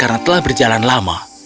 mereka telah berjalan lama